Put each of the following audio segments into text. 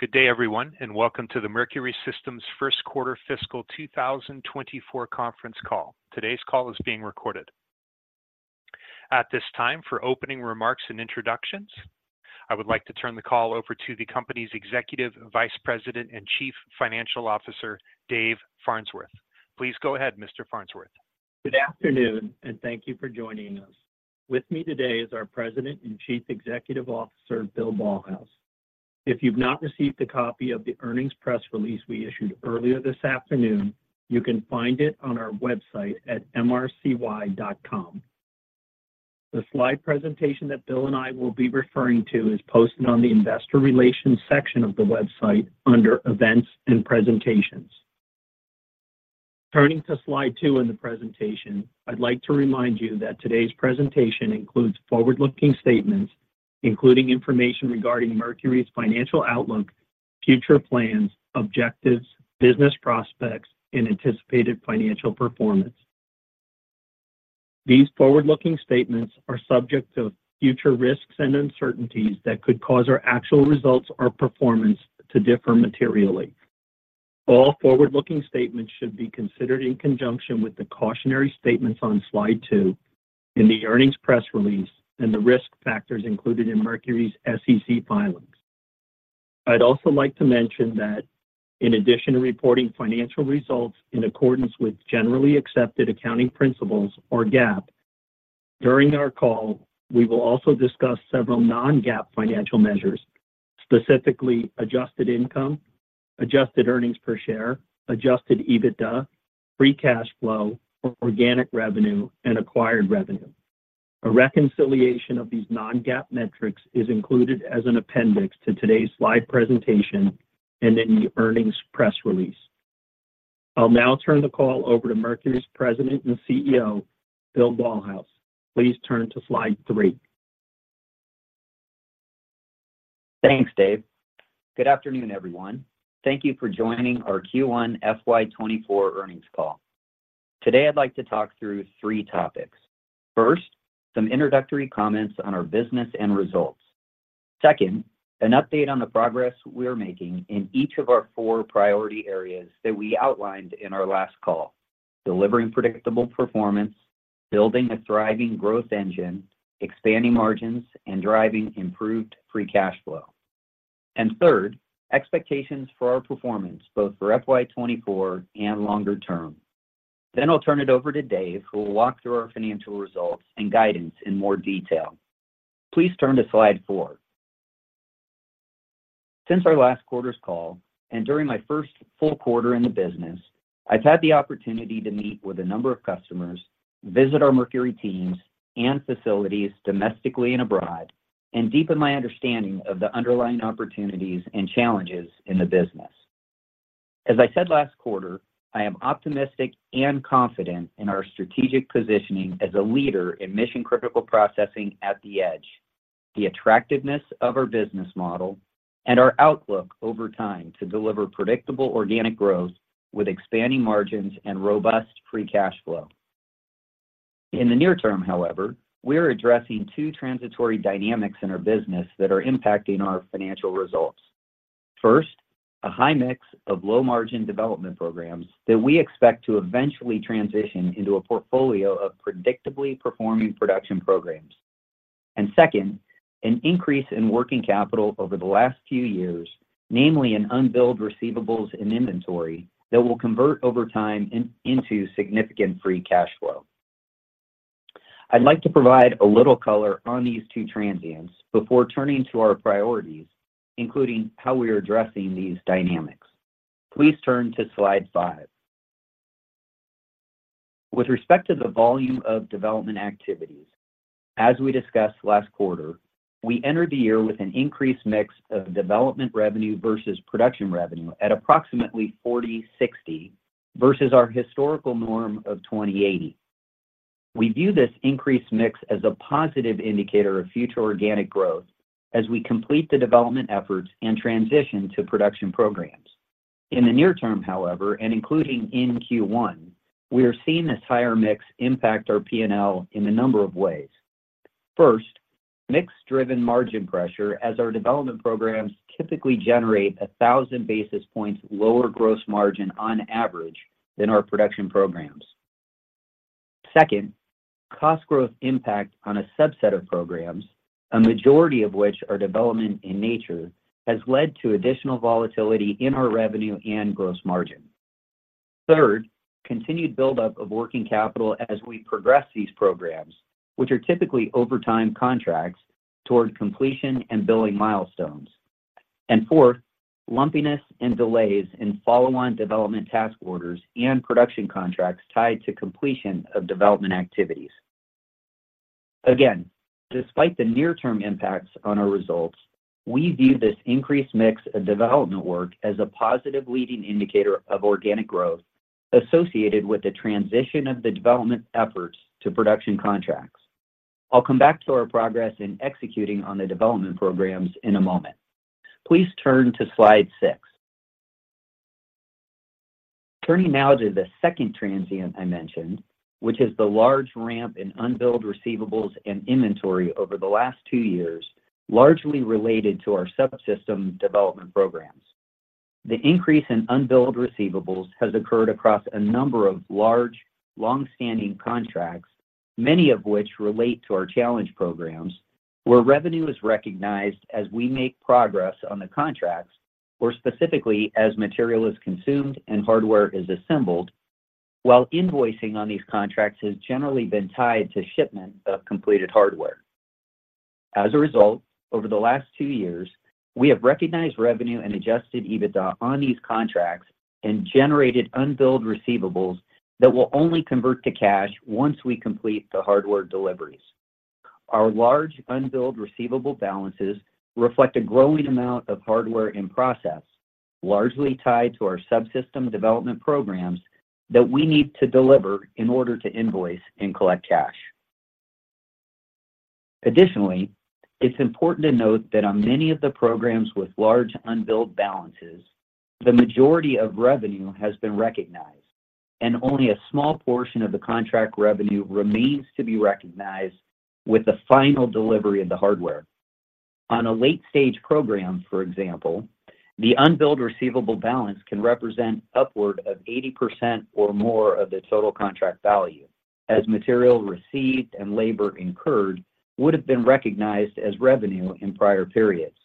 Good day, everyone, and welcome to the Mercury Systems Q1 fiscal 2024 conference call. Today's call is being recorded. At this time, for opening remarks and introductions, I would like to turn the call over to the company's Executive Vice President and Chief Financial Officer, Dave Farnsworth. Please go ahead, Mr. Farnsworth. Good afternoon, and thank you for joining us. With me today is our President and Chief Executive Officer, Bill Ballhaus. If you've not received a copy of the earnings press release we issued earlier this afternoon, you can find it on our website at mrcy.com. The slide presentation that Bill and I will be referring to is posted on the Investor Relations section of the website under Events and Presentations. Turning to slide two in the presentation, I'd like to remind you that today's presentation includes forward-looking statements, including information regarding Mercury's financial outlook, future plans, objectives, business prospects, and anticipated financial performance. These forward-looking statements are subject to future risks and uncertainties that could cause our actual results or performance to differ materially. All forward-looking statements should be considered in conjunction with the cautionary statements on slide two in the earnings press release and the risk factors included in Mercury's SEC filings. I'd also like to mention that in addition to reporting financial results in accordance with generally accepted accounting principles or GAAP, during our call, we will also discuss several non-GAAP financial measures, specifically adjusted income, adjusted earnings per share, adjusted EBITDA, free cash flow, organic revenue, and acquired revenue. A reconciliation of these non-GAAP metrics is included as an appendix to today's slide presentation and in the earnings press release. I'll now turn the call over to Mercury's President and CEO, Bill Ballhaus. Please turn to slide three. Thanks, Dave. Good afternoon, everyone. Thank you for joining our Q1 FY 2024 earnings call. Today, I'd like to talk through three topics. First, some introductory comments on our business and results. Second, an update on the progress we are making in each of our four priority areas that we outlined in our last call: delivering predictable performance, building a thriving growth engine, expanding margins, and driving improved free cash flow. And third, expectations for our performance, both for FY 2024 and longer term. Then I'll turn it over to Dave, who will walk through our financial results and guidance in more detail. Please turn to slide four. Since our last quarter's call, and during my first full quarter in the business, I've had the opportunity to meet with a number of customers, visit our Mercury teams and facilities domestically and abroad, and deepen my understanding of the underlying opportunities and challenges in the business. As I said last quarter, I am optimistic and confident in our strategic positioning as a leader in mission-critical processing at the Edge, the attractiveness of our business model, and our outlook over time to deliver predictable organic growth with expanding margins and robust free cash flow. In the near term, however, we are addressing two transitory dynamics in our business that are impacting our financial results. First, a high mix of low-margin development programs that we expect to eventually transition into a portfolio of predictably performing production programs. Second, an increase in working capital over the last few years, namely in unbilled receivables and inventory, that will convert over time into significant free cash flow. I'd like to provide a little color on these two transients before turning to our priorities, including how we are addressing these dynamics. Please turn to slide five. With respect to the volume of development activities, as we discussed last quarter, we entered the year with an increased mix of development revenue versus production revenue at approximately 40/60, versus our historical norm of 20/80. We view this increased mix as a positive indicator of future organic growth as we complete the development efforts and transition to production programs. In the near term, however, and including in Q1, we are seeing this higher mix impact our P&L in a number of ways. First, mix-driven margin pressure, as our development programs typically generate 1,000 basis points lower gross margin on average than our production programs. Second, cost growth impact on a subset of programs, a majority of which are development in nature, has led to additional volatility in our revenue and gross margin. Third, continued buildup of working capital as we progress these programs, which are typically over time contracts toward completion and billing milestones. And fourth, lumpiness and delays in follow-on development task orders and production contracts tied to completion of development activities. Again, despite the near-term impacts on our results, we view this increased mix of development work as a positive leading indicator of organic growth associated with the transition of the development efforts to production contracts. I'll come back to our progress in executing on the development programs in a moment. Please turn to slide six.... Turning now to the second transient I mentioned, which is the large ramp in unbilled receivables and inventory over the last two years, largely related to our subsystem development programs. The increase in unbilled receivables has occurred across a number of large, long-standing contracts, many of which relate to our challenge programs, where revenue is recognized as we make progress on the contracts, or specifically, as material is consumed and hardware is assembled, while invoicing on these contracts has generally been tied to shipment of completed hardware. As a result, over the last two years, we have recognized revenue and Adjusted EBITDA on these contracts and generated unbilled receivables that will only convert to cash once we complete the hardware deliveries. Our large unbilled receivable balances reflect a growing amount of hardware in process, largely tied to our subsystem development programs that we need to deliver in order to invoice and collect cash. Additionally, it's important to note that on many of the programs with large unbilled balances, the majority of revenue has been recognized, and only a small portion of the contract revenue remains to be recognized with the final delivery of the hardware. On a late-stage program, for example, the unbilled receivable balance can represent upward of 80% or more of the total contract value, as material received and labor incurred would have been recognized as revenue in prior periods.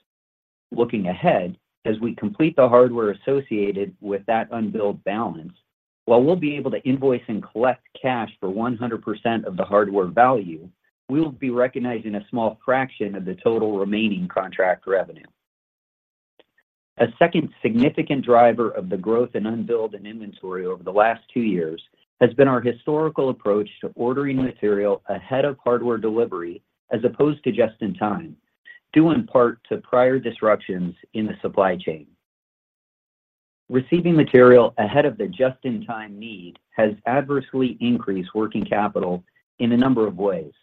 Looking ahead, as we complete the hardware associated with that unbilled balance, while we'll be able to invoice and collect cash for 100% of the hardware value, we will be recognizing a small fraction of the total remaining contract revenue. A second significant driver of the growth in unbilled and inventory over the last two years has been our historical approach to ordering material ahead of hardware delivery, as opposed to just-in-time, due in part to prior disruptions in the supply chain. Receiving material ahead of the just-in-time need has adversely increased working capital in a number of ways.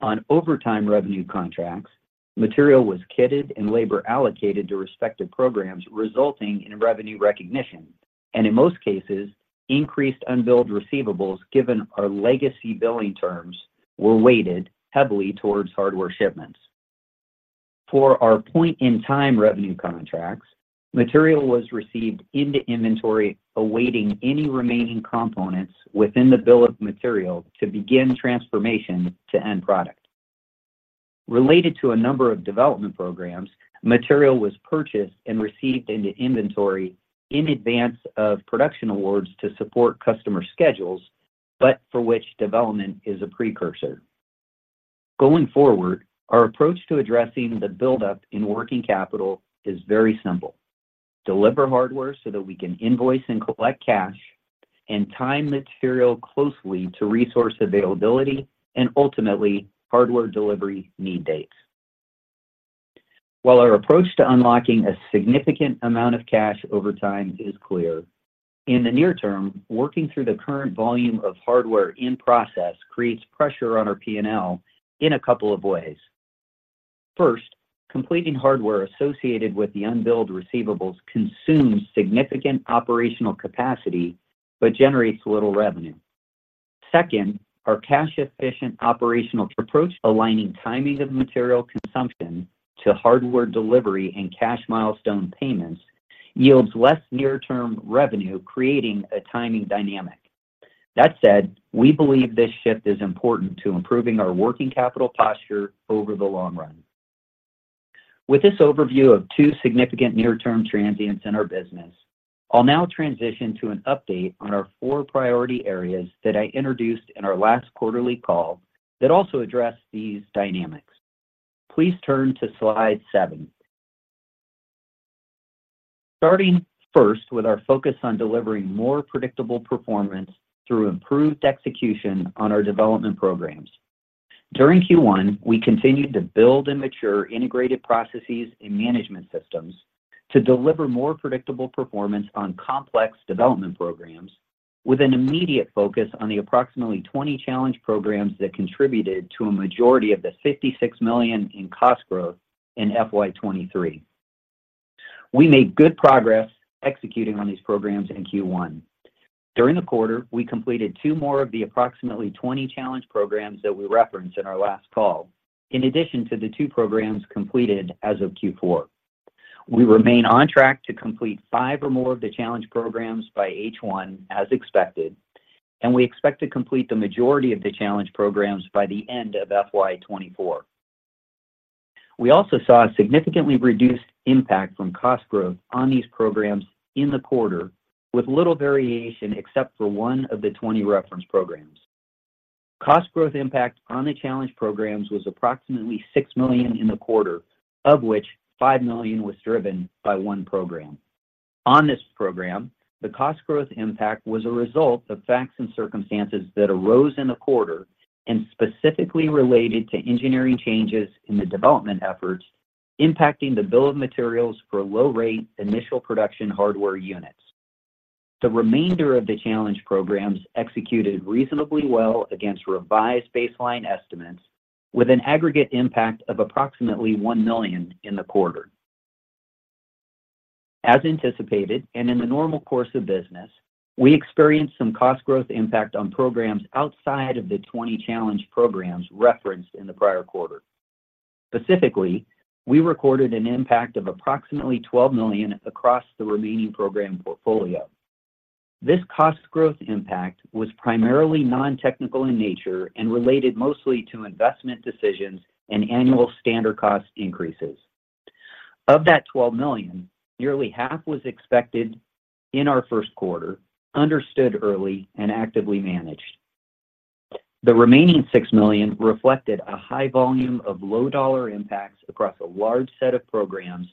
On over-time revenue contracts, material was kitted and labor allocated to respective programs, resulting in revenue recognition, and in most cases, increased unbilled receivables, given our legacy billing terms, were weighted heavily towards hardware shipments. For our point-in-time revenue contracts, material was received into inventory, awaiting any remaining components within the bill of material to begin transformation to end product. Related to a number of development programs, material was purchased and received into inventory in advance of production awards to support customer schedules, but for which development is a precursor. Going forward, our approach to addressing the buildup in working capital is very simple: deliver hardware so that we can invoice and collect cash, and time material closely to resource availability and ultimately, hardware delivery need dates. While our approach to unlocking a significant amount of cash over time is clear, in the near term, working through the current volume of hardware in process creates pressure on our P&L in a couple of ways. First, completing hardware associated with the unbilled receivables consumes significant operational capacity but generates little revenue. Second, our cash-efficient operational approach, aligning timing of material consumption to hardware delivery and cash milestone payments, yields less near-term revenue, creating a timing dynamic. That said, we believe this shift is important to improving our working capital posture over the long run. With this overview of two significant near-term transients in our business, I'll now transition to an update on our four priority areas that I introduced in our last quarterly call that also address these dynamics. Please turn to slide seven. Starting first with our focus on delivering more predictable performance through improved execution on our development programs. During Q1, we continued to build and mature integrated processes and management systems to deliver more predictable performance on complex development programs, with an immediate focus on the approximately 20 challenge programs that contributed to a majority of the $56 million in cost growth in FY 2023. We made good progress executing on these programs in Q1. During the quarter, we completed 2 more of the approximately 20 challenge programs that we referenced in our last call, in addition to the 2 programs completed as of Q4. We remain on track to complete five or more of the challenge programs by H1, as expected, and we expect to complete the majority of the challenge programs by the end of FY 2024. We also saw a significantly reduced impact from cost growth on these programs in the quarter, with little variation except for one of the 20 reference programs. Cost growth impact on the challenge programs was approximately $6 million in the quarter, of which $5 million was driven by one program. On this program, the cost growth impact was a result of facts and circumstances that arose in the quarter and specifically related to engineering changes in the development efforts, impacting the bill of materials for low-rate initial production hardware units. The remainder of the challenge programs executed reasonably well against revised baseline estimates with an aggregate impact of approximately $1 million in the quarter. As anticipated, and in the normal course of business, we experienced some cost growth impact on programs outside of the 20 challenge programs referenced in the prior quarter. Specifically, we recorded an impact of approximately $12 million across the remaining program portfolio. This cost growth impact was primarily non-technical in nature and related mostly to investment decisions and annual standard cost increases. Of that $12 million, nearly half was expected in our Q1, understood early and actively managed. The remaining $6 million reflected a high volume of low dollar impacts across a large set of programs,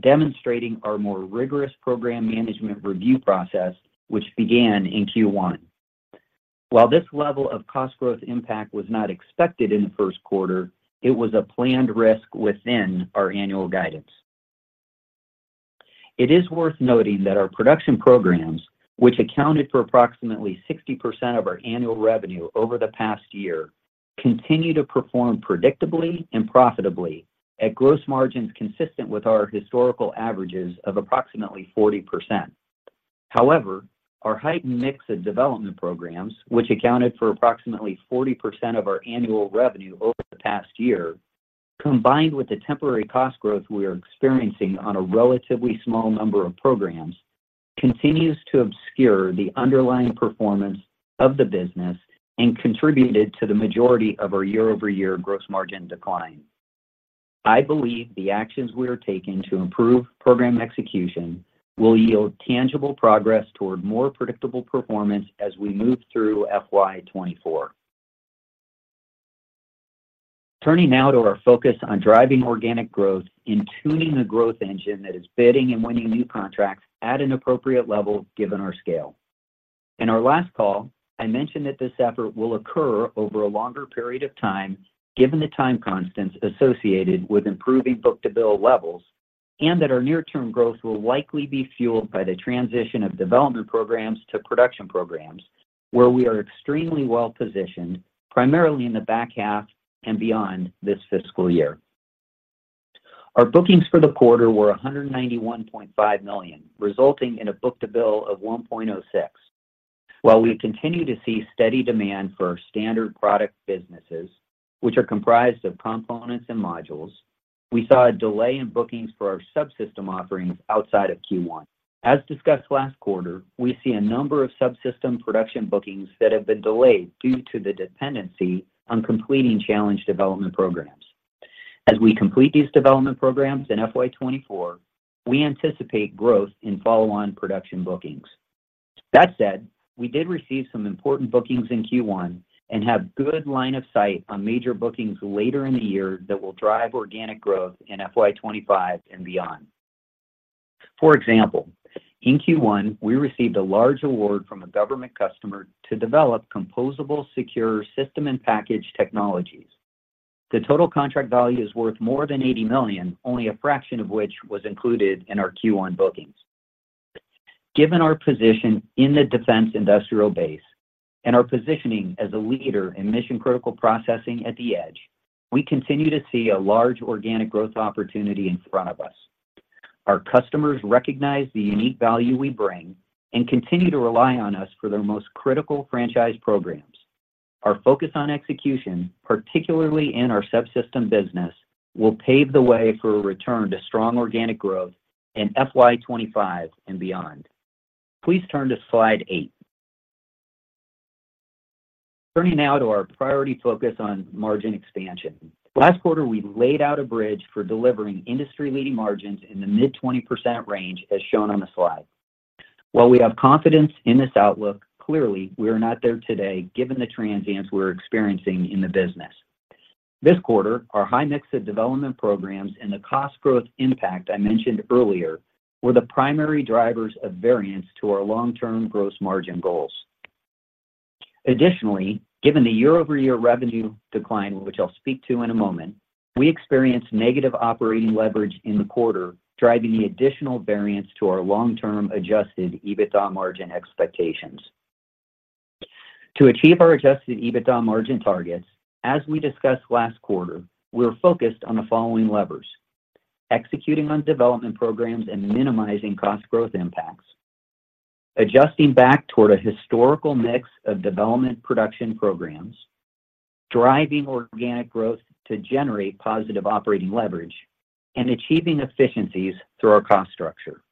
demonstrating our more rigorous program management review process, which began in Q1. While this level of cost growth impact was not expected in the Q1, it was a planned risk within our annual guidance. It is worth noting that our production programs, which accounted for approximately 60% of our annual revenue over the past year, continue to perform predictably and profitably at gross margins consistent with our historical averages of approximately 40%. However, our heightened mix of development programs, which accounted for approximately 40% of our annual revenue over the past year, combined with the temporary cost growth we are experiencing on a relatively small number of programs, continues to obscure the underlying performance of the business and contributed to the majority of our year-over-year gross margin decline. I believe the actions we are taking to improve program execution will yield tangible progress toward more predictable performance as we move through FY 2024. Turning now to our focus on driving organic growth and tuning a growth engine that is bidding and winning new contracts at an appropriate level, given our scale. In our last call, I mentioned that this effort will occur over a longer period of time, given the time constants associated with improving book-to-bill levels, and that our near-term growth will likely be fueled by the transition of development programs to production programs, where we are extremely well-positioned, primarily in the back half and beyond this fiscal year. Our bookings for the quarter were $191.5 million, resulting in a book-to-bill of 1.06. While we continue to see steady demand for our standard product businesses, which are comprised of components and modules, we saw a delay in bookings for our subsystem offerings outside of Q1. As discussed last quarter, we see a number of subsystem production bookings that have been delayed due to the dependency on completing challenge development programs. As we complete these development programs in FY 2024, we anticipate growth in follow-on production bookings. That said, we did receive some important bookings in Q1 and have good line of sight on major bookings later in the year that will drive organic growth in FY 2025 and beyond. For example, in Q1, we received a large award from a government customer to develop composable, secure system and package technologies. The total contract value is worth more than $80 million, only a fraction of which was included in our Q1 bookings. Given our position in the defense industrial base and our positioning as a leader in mission-critical processing at the Edge, we continue to see a large organic growth opportunity in front of us. Our customers recognize the unique value we bring and continue to rely on us for their most critical franchise programs. Our focus on execution, particularly in our subsystem business, will pave the way for a return to strong organic growth in FY 25 and beyond. Please turn to slide eight. Turning now to our priority focus on margin expansion. Last quarter, we laid out a bridge for delivering industry-leading margins in the mid-20% range, as shown on the slide. While we have confidence in this outlook, clearly, we are not there today, given the transients we're experiencing in the business. This quarter, our high mix of development programs and the cost growth impact I mentioned earlier were the primary drivers of variance to our long-term gross margin goals. Additionally, given the year-over-year revenue decline, which I'll speak to in a moment, we experienced negative operating leverage in the quarter, driving the additional variance to our long-term Adjusted EBITDA margin expectations. To achieve our Adjusted EBITDA margin targets, as we discussed last quarter, we're focused on the following levers: executing on development programs and minimizing cost growth impacts, adjusting back toward a historical mix of development production programs, driving organic growth to generate positive operating leverage, and achieving efficiencies through our cost structure.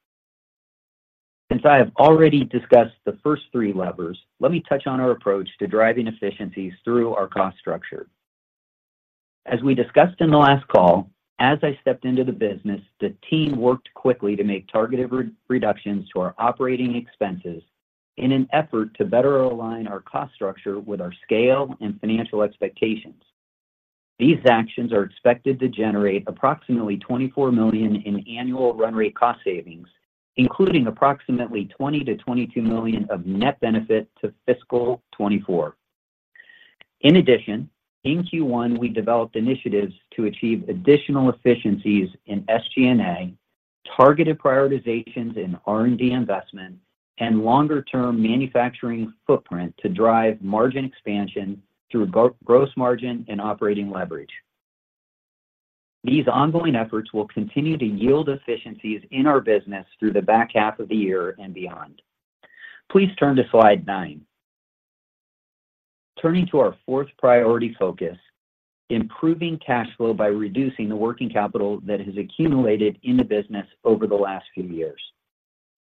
Since I have already discussed the first three levers, let me touch on our approach to driving efficiencies through our cost structure. As we discussed in the last call, as I stepped into the business, the team worked quickly to make targeted reductions to our operating expenses in an effort to better align our cost structure with our scale and financial expectations. These actions are expected to generate approximately $24 million in annual run rate cost savings, including approximately $20-$22 million of net benefit to fiscal 2024. In addition, in Q1, we developed initiatives to achieve additional efficiencies in SG&A, targeted prioritizations in R&D investment, and longer-term manufacturing footprint to drive margin expansion through gross margin and operating leverage. These ongoing efforts will continue to yield efficiencies in our business through the back half of the year and beyond. Please turn to slide nine. Turning to our fourth priority focus: improving cash flow by reducing the working capital that has accumulated in the business over the last few years.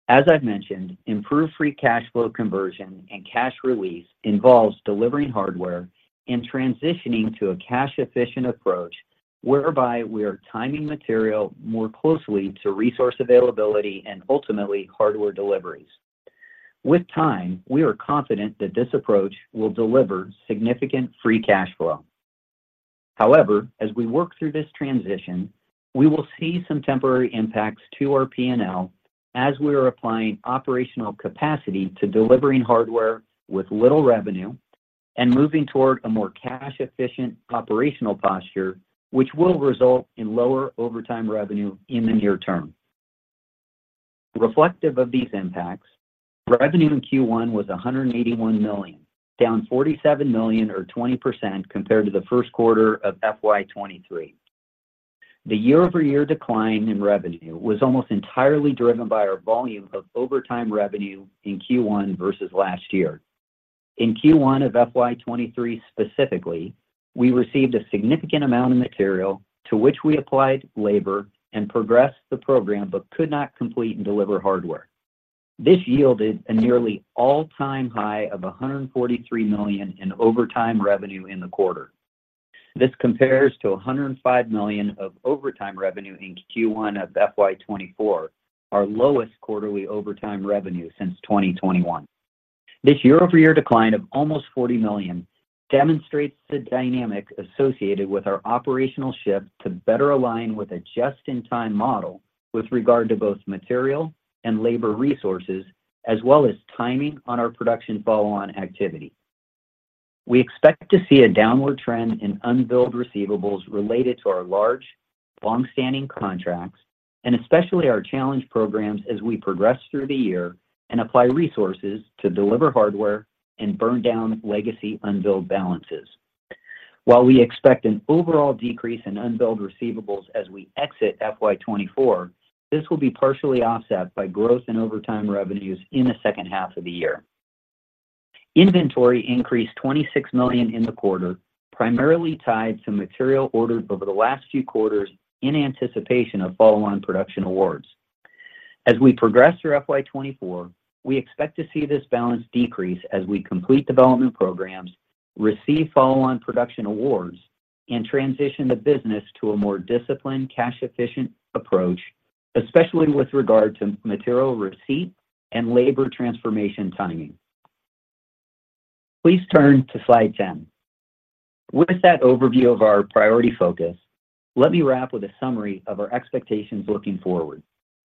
As I've mentioned, improved free cash flow conversion and cash release involves delivering hardware and transitioning to a cash-efficient approach, whereby we are timing material more closely to resource availability and ultimately hardware deliveries. With time, we are confident that this approach will deliver significant free cash flow. However, as we work through this transition, we will see some temporary impacts to our P&L as we are applying operational capacity to delivering hardware with little revenue and moving toward a more cash-efficient operational posture, which will result in lower overtime revenue in the near term. Reflective of these impacts, revenue in Q1 was $181 million, down $47 million or 20% compared to the Q1 of FY 2023. The year-over-year decline in revenue was almost entirely driven by our volume of overtime revenue in Q1 versus last year. In Q1 of FY 2023 specifically, we received a significant amount of material to which we applied labor and progressed the program but could not complete and deliver hardware. This yielded a nearly all-time high of $143 million in overtime revenue in the quarter. This compares to $105 million of overtime revenue in Q1 of FY 2024, our lowest quarterly overtime revenue since 2021. This year-over-year decline of almost $40 million demonstrates the dynamic associated with our operational shift to better align with a just-in-time model with regard to both material and labor resources, as well as timing on our production follow-on activity. We expect to see a downward trend in unbilled receivables related to our large, long-standing contracts, and especially our challenge programs, as we progress through the year and apply resources to deliver hardware and burn down legacy unbilled balances. While we expect an overall decrease in unbilled receivables as we exit FY 2024, this will be partially offset by growth in over-time revenues in the H2 of the year. Inventory increased $26 million in the quarter, primarily tied to material ordered over the last few quarters in anticipation of follow-on production awards. As we progress through FY 2024, we expect to see this balance decrease as we complete development programs, receive follow-on production awards, and transition the business to a more disciplined, cash-efficient approach, especially with regard to material receipt and labor transformation timing. Please turn to slide 10. With that overview of our priority focus, let me wrap with a summary of our expectations looking forward.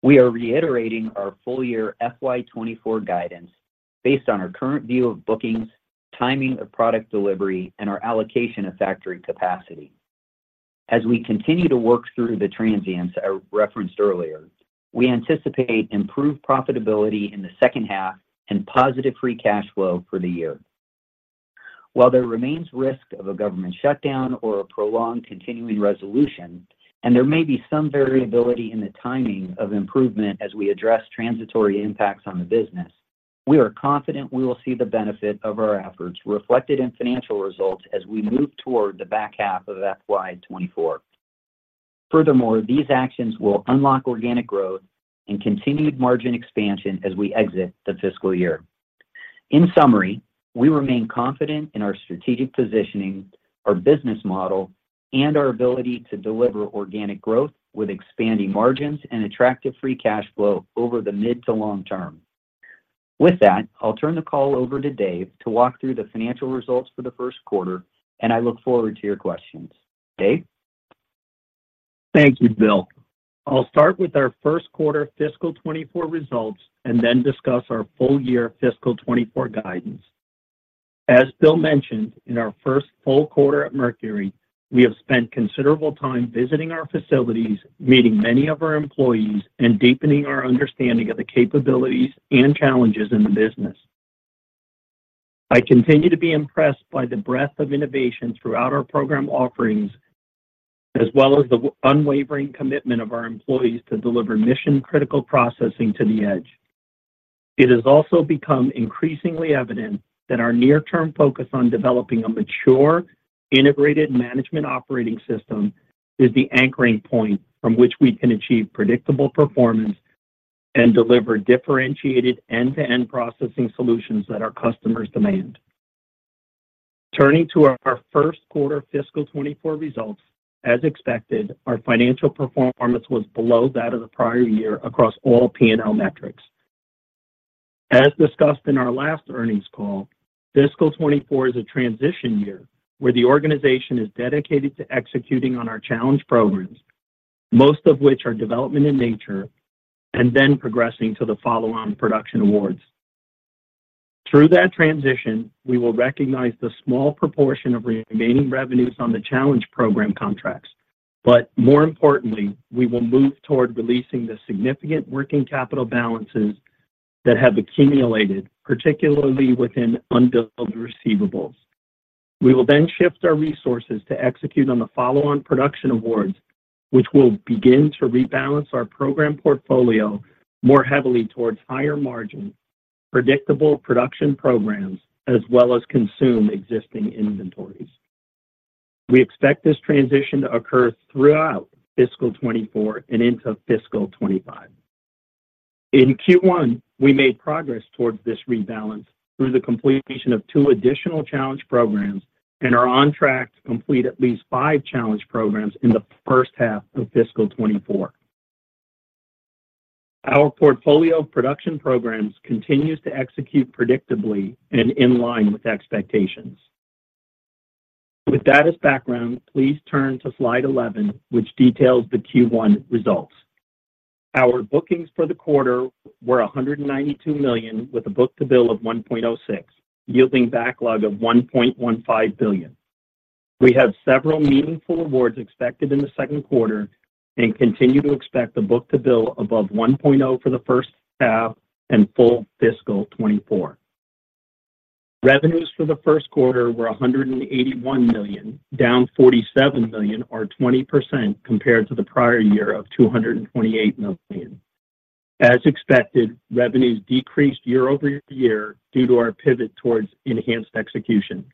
We are reiterating our full year FY 2024 guidance based on our current view of bookings, timing of product delivery, and our allocation of factory capacity. As we continue to work through the transients I referenced earlier, we anticipate improved profitability in the H2 and positive Free Cash Flow for the year. While there remains risk of a government shutdown or a prolonged Continuing Resolution, and there may be some variability in the timing of improvement as we address transitory impacts on the business, we are confident we will see the benefit of our efforts reflected in financial results as we move toward the back half of FY 2024. Furthermore, these actions will unlock organic growth and continued margin expansion as we exit the fiscal year. In summary, we remain confident in our strategic positioning, our business model, and our ability to deliver organic growth with expanding margins and attractive free cash flow over the mid to long term. With that, I'll turn the call over to Dave to walk through the financial results for the Q1, and I look forward to your questions. Dave? Thank you, Bill. I'll start with our Q1 fiscal 2024 results and then discuss our full year fiscal 2024 guidance. As Bill mentioned, in our first full quarter at Mercury, we have spent considerable time visiting our facilities, meeting many of our employees, and deepening our understanding of the capabilities and challenges in the business. I continue to be impressed by the breadth of innovation throughout our program offerings, as well as the unwavering commitment of our employees to deliver mission-critical processing to the edge. It has also become increasingly evident that our near-term focus on developing a mature, integrated management operating system is the anchoring point from which we can achieve predictable performance and deliver differentiated end-to-end processing solutions that our customers demand. Turning to our Q1 fiscal 2024 results, as expected, our financial performance was below that of the prior year across all P&L metrics. As discussed in our last earnings call, fiscal 2024 is a transition year where the organization is dedicated to executing on our challenge programs, most of which are development in nature, and then progressing to the follow-on production awards. Through that transition, we will recognize the small proportion of remaining revenues on the challenge program contracts. But more importantly, we will move toward releasing the significant working capital balances that have accumulated, particularly within unbilled receivables. We will then shift our resources to execute on the follow-on production awards, which will begin to rebalance our program portfolio more heavily towards higher margin, predictable production programs, as well as consume existing inventories. We expect this transition to occur throughout fiscal 2024 and into fiscal 2025. In Q1, we made progress towards this rebalance through the completion of 2 additional challenge programs and are on track to complete at least 5 challenge programs in the H1 of fiscal 2024. Our portfolio of production programs continues to execute predictably and in line with expectations. With that as background, please turn to slide 11, which details the Q1 results. Our bookings for the quarter were $192 million, with a book-to-bill of 1.06, yielding backlog of $1.15 billion. We have several meaningful awards expected in the Q2 and continue to expect a book-to-bill above 1.0 for the H1 and full fiscal 2024. Revenues for the Q1 were $181 million, down $47 million or 20% compared to the prior year of $228 million. As expected, revenues decreased year-over-year due to our pivot towards enhanced execution.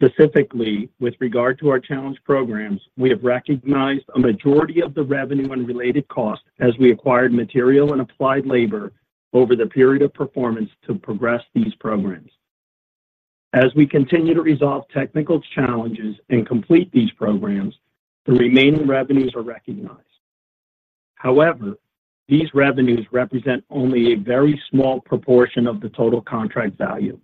Specifically, with regard to our challenge programs, we have recognized a majority of the revenue and related costs as we acquired material and applied labor over the period of performance to progress these programs. As we continue to resolve technical challenges and complete these programs, the remaining revenues are recognized. However, these revenues represent only a very small proportion of the total contract value.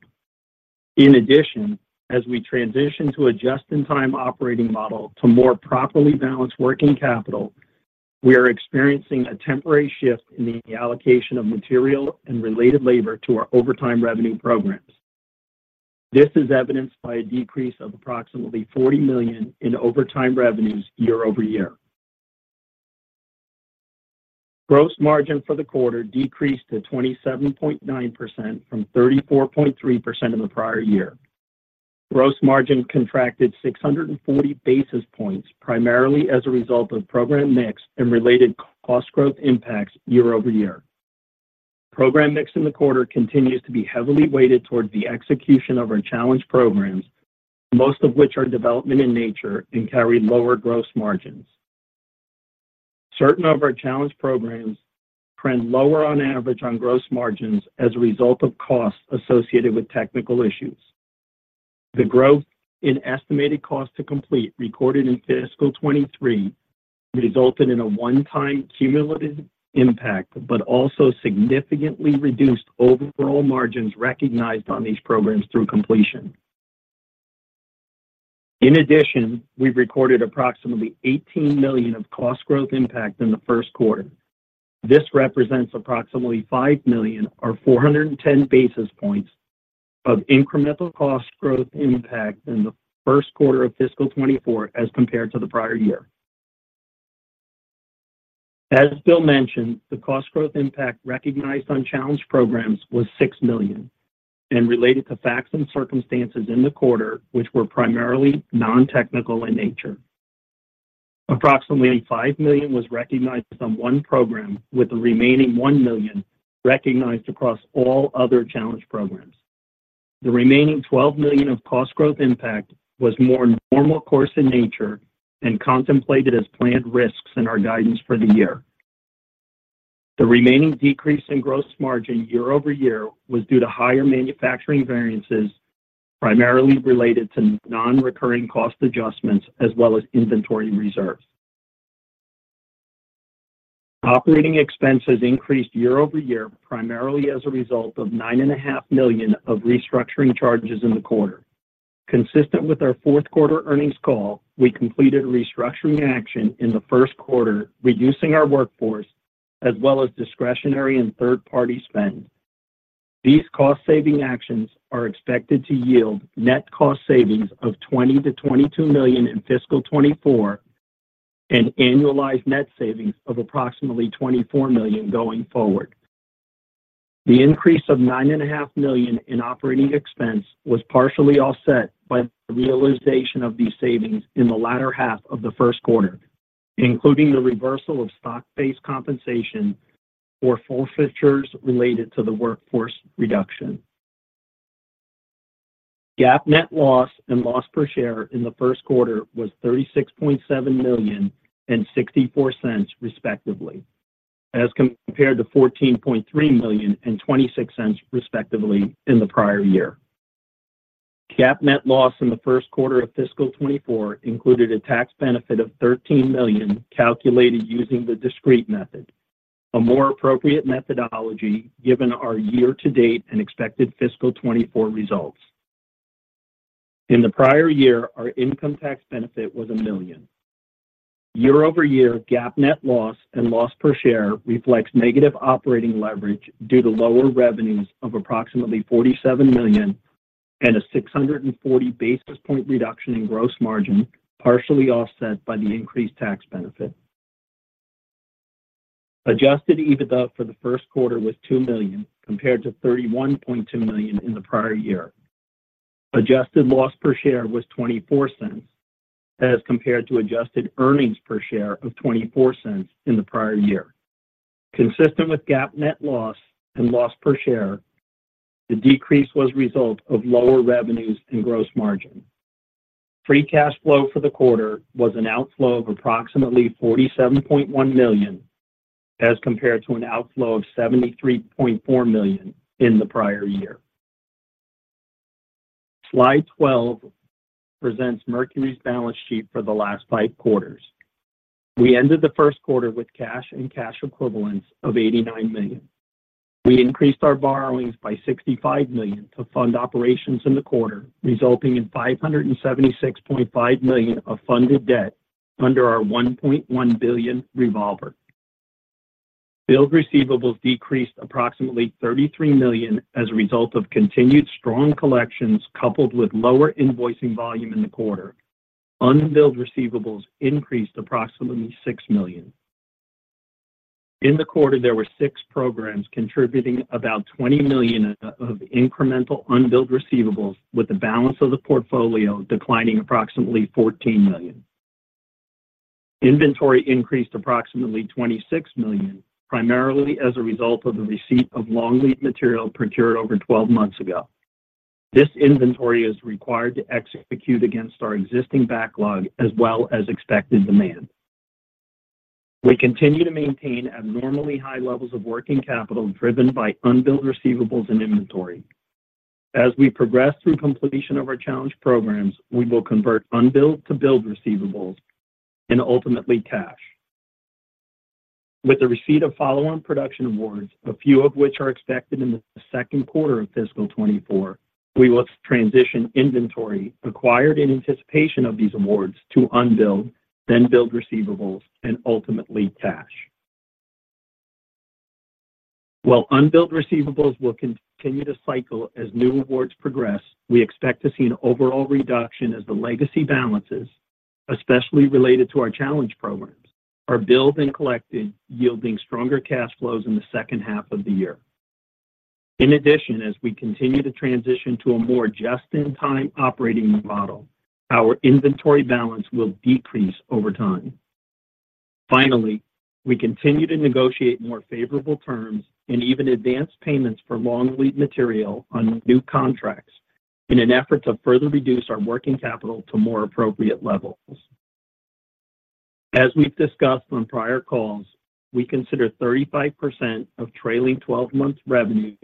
In addition, as we transition to a just-in-time operating model to more properly balance working capital, we are experiencing a temporary shift in the allocation of material and related labor to our overtime revenue programs. This is evidenced by a decrease of approximately $40 million in overtime revenues year-over-year. Gross margin for the quarter decreased to 27.9% from 34.3% in the prior year. Gross margin contracted 640 basis points, primarily as a result of program mix and related cost growth impacts year-over-year. Program mix in the quarter continues to be heavily weighted toward the execution of our challenge programs, most of which are development in nature and carry lower gross margins. Certain of our challenge programs trend lower on average on gross margins as a result of costs associated with technical issues. The growth in estimated cost to complete recorded in fiscal 2023 resulted in a one-time cumulative impact, but also significantly reduced overall margins recognized on these programs through completion. In addition, we recorded approximately $18 million of cost growth impact in the Q1. This represents approximately $5 million or 410 basis points of incremental cost growth impact in the Q1 of fiscal 2024 as compared to the prior year. As Bill mentioned, the cost growth impact recognized on challenged programs was $6 million and related to facts and circumstances in the quarter, which were primarily non-technical in nature. Approximately $5 million was recognized on one program, with the remaining $1 million recognized across all other challenged programs. The remaining $12 million of cost growth impact was more normal course in nature and contemplated as planned risks in our guidance for the year. The remaining decrease in gross margin year-over-year was due to higher manufacturing variances, primarily related to non-recurring cost adjustments as well as inventory reserves. Operating expenses increased year-over-year, primarily as a result of $9.5 million of restructuring charges in the quarter. Consistent with our Q4 earnings call, we completed restructuring action in the Q1, reducing our workforce as well as discretionary and third-party spend. These cost-saving actions are expected to yield net cost savings of $20-$22 million in fiscal 2024, and annualized net savings of approximately $24 million going forward. The increase of $9.5 million in operating expense was partially offset by the realization of these savings in the latter half of the Q1, including the reversal of stock-based compensation or forfeitures related to the workforce reduction. GAAP net loss and loss per share in the Q1 was $36.7 million and $0.64, respectively, as compared to $14.3 million and $0.26, respectively, in the prior year. GAAP net loss in the Q1 of fiscal 2024 included a tax benefit of $13 million, calculated using the discrete method, a more appropriate methodology given our year-to-date and expected fiscal 2024 results.... In the prior year, our income tax benefit was $1 million. Year-over-year GAAP net loss and loss per share reflects negative operating leverage due to lower revenues of approximately $47 million and a 640 basis point reduction in gross margin, partially offset by the increased tax benefit. Adjusted EBITDA for the Q1 was $2 million, compared to $31.2 million in the prior year. Adjusted loss per share was $0.24, as compared to adjusted earnings per share of $0.24 in the prior year. Consistent with GAAP net loss and loss per share, the decrease was a result of lower revenues and gross margin. Free cash flow for the quarter was an outflow of approximately $47.1 million, as compared to an outflow of $73.4 million in the prior year. Slide 12 presents Mercury's balance sheet for the last five quarters. We ended the Q1 with cash and cash equivalents of $89 million. We increased our borrowings by $65 million to fund operations in the quarter, resulting in $576.5 million of funded debt under our $1.1 billion revolver. Billed receivables decreased approximately $33 million as a result of continued strong collections, coupled with lower invoicing volume in the quarter. Unbilled receivables increased approximately $6 million. In the quarter, there were 6 programs contributing about $20 million of incremental unbilled receivables, with the balance of the portfolio declining approximately $14 million. Inventory increased approximately $26 million, primarily as a result of the receipt of long lead material procured over 12 months ago. This inventory is required to execute against our existing backlog as well as expected demand. We continue to maintain abnormally high levels of working capital, driven by unbilled receivables and inventory. As we progress through completion of our challenge programs, we will convert unbilled to billed receivables and ultimately cash. With the receipt of follow-on production awards, a few of which are expected in the Q2 of fiscal 2024, we will transition inventory acquired in anticipation of these awards to unbilled, then billed receivables and ultimately cash. While unbilled receivables will continue to cycle as new awards progress, we expect to see an overall reduction as the legacy balances, especially related to our challenge programs, are billed and collected, yielding stronger cash flows in the H2 of the year. In addition, as we continue to transition to a more just-in-time operating model, our inventory balance will decrease over time. Finally, we continue to negotiate more favorable terms and even advance payments for long lead material on new contracts in an effort to further reduce our working capital to more appropriate levels. As we've discussed on prior calls, we consider 35% of trailing twelve-month revenues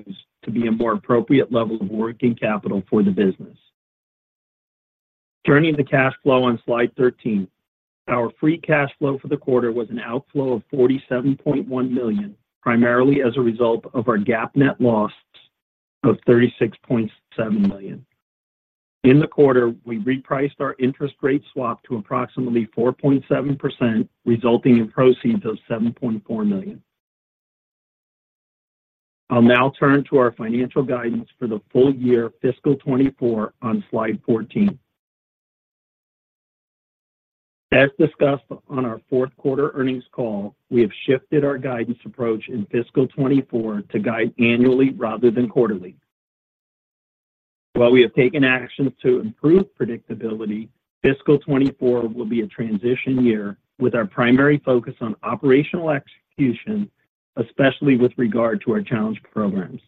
to be a more appropriate level of working capital for the business. Turning to cash flow on Slide 13, our free cash flow for the quarter was an outflow of $47.1 million, primarily as a result of our GAAP net loss of $36.7 million. In the quarter, we repriced our interest rate swap to approximately 4.7%, resulting in proceeds of $7.4 million. I'll now turn to our financial guidance for the full year fiscal 2024 on Slide 14. As discussed on our Q4 earnings call, we have shifted our guidance approach in fiscal 2024 to guide annually rather than quarterly. While we have taken actions to improve predictability, fiscal 2024 will be a transition year with our primary focus on operational execution, especially with regard to our challenge programs.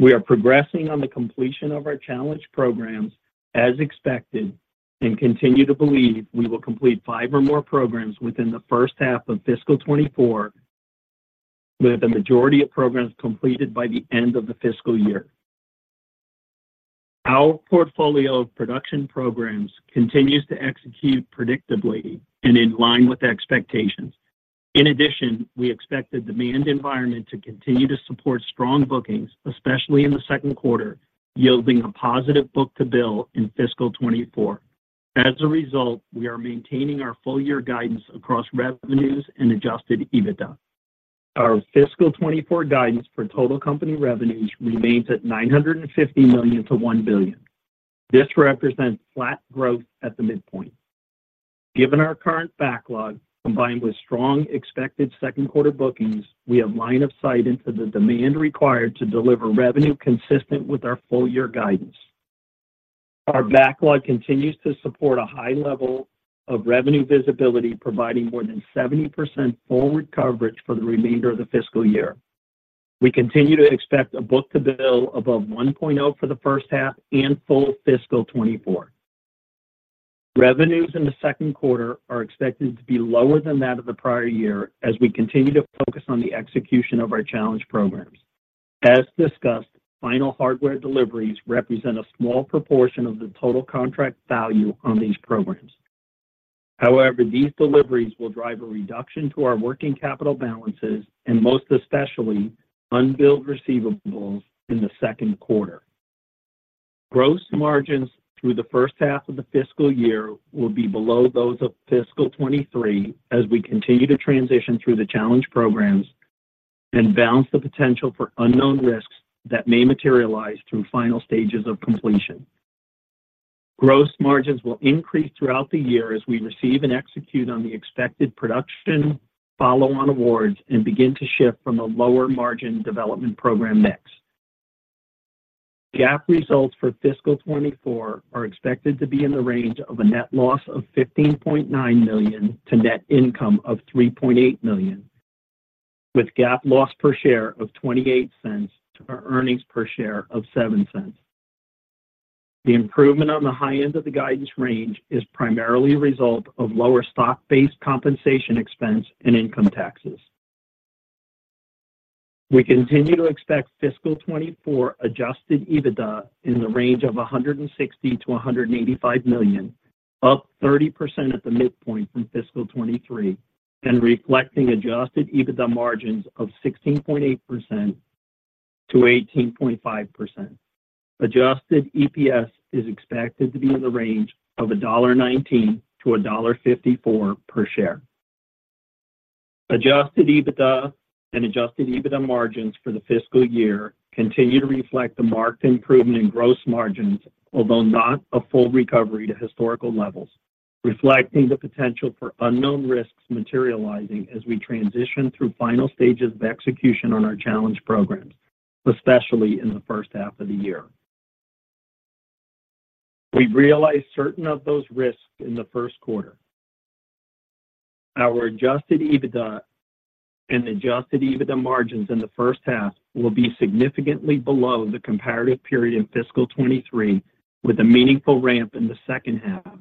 We are progressing on the completion of our challenge programs as expected and continue to believe we will complete 5 or more programs within the H1 of fiscal 2024, with the majority of programs completed by the end of the fiscal year. Our portfolio of production programs continues to execute predictably and in line with expectations. In addition, we expect the demand environment to continue to support strong bookings, especially in the Q2, yielding a positive book-to-bill in fiscal 2024. As a result, we are maintaining our full year guidance across revenues and Adjusted EBITDA. Our fiscal 2024 guidance for total company revenues remains at $950 million-$1 billion. This represents flat growth at the midpoint. Given our current backlog, combined with strong expected Q2 bookings, we have line of sight into the demand required to deliver revenue consistent with our full-year guidance. Our backlog continues to support a high level of revenue visibility, providing more than 70% forward coverage for the remainder of the fiscal year. We continue to expect a book-to-bill above 1.0 for the H1 and full fiscal 2024. Revenues in the Q2 are expected to be lower than that of the prior year as we continue to focus on the execution of our challenge programs. As discussed, final hardware deliveries represent a small proportion of the total contract value on these programs. However, these deliveries will drive a reduction to our working capital balances, and most especially, unbilled receivables in the Q2. Gross margins through the H1 of the fiscal year will be below those of fiscal 2023, as we continue to transition through the challenge programs and balance the potential for unknown risks that may materialize through final stages of completion. Gross margins will increase throughout the year as we receive and execute on the expected production, follow-on awards, and begin to shift from a lower margin development program mix. GAAP results for fiscal 2024 are expected to be in the range of a net loss of $15.9 million to net income of $3.8 million, with GAAP loss per share of $0.28 to our earnings per share of $0.07. The improvement on the high end of the guidance range is primarily a result of lower stock-based compensation expense and income taxes. We continue to expect fiscal 2024 adjusted EBITDA in the range of $160 million-$185 million, up 30% at the midpoint from fiscal 2023, and reflecting adjusted EBITDA margins of 16.8%-18.5%. Adjusted EPS is expected to be in the range of $1.19-$1.54 per share. Adjusted EBITDA and adjusted EBITDA margins for the fiscal year continue to reflect the marked improvement in gross margins, although not a full recovery to historical levels, reflecting the potential for unknown risks materializing as we transition through final stages of execution on our challenge programs, especially in the H1 of the year. We've realized certain of those risks in the Q1. Our adjusted EBITDA and adjusted EBITDA margins in the H1 will be significantly below the comparative period in fiscal 2023, with a meaningful ramp in the H2,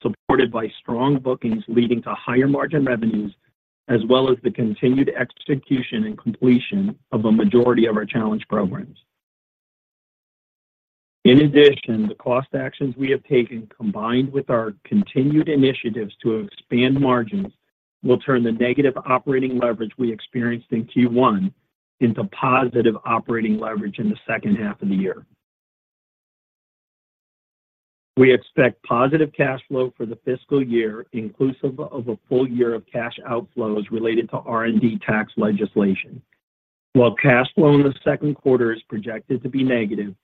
supported by strong bookings leading to higher-margin revenues, as well as the continued execution and completion of a majority of our challenge programs. In addition, the cost actions we have taken, combined with our continued initiatives to expand margins, will turn the negative operating leverage we experienced in Q1 into positive operating leverage in the H2 of the year. We expect positive cash flow for the fiscal year, inclusive of a full year of cash outflows related to R&D tax legislation. While cash flow in the Q2 is projected to be negative,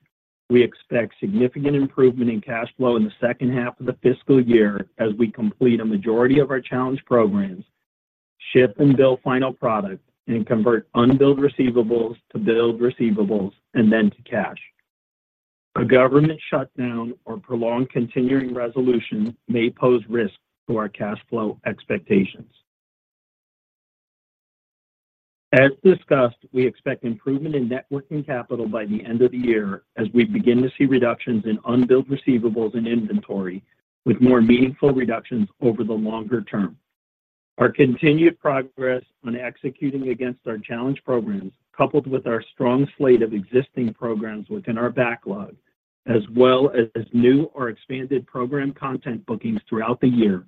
we expect significant improvement in cash flow in the H2 of the fiscal year as we complete a majority of our challenge programs, ship and bill final products, and convert unbilled receivables to billed receivables and then to cash. A government shutdown or prolonged continuing resolution may pose risks to our cash flow expectations. As discussed, we expect improvement in net working capital by the end of the year as we begin to see reductions in unbilled receivables and inventory, with more meaningful reductions over the longer term. Our continued progress on executing against our challenge programs, coupled with our strong slate of existing programs within our backlog, as well as new or expanded program content bookings throughout the year,